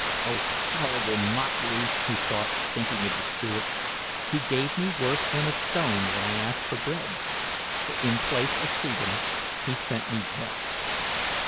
"Oh, horrible mockery!" he thought, thinking of the spirit. "He gave me worse than a stone when I asked for bread; for, in place of freedom, he sent me death.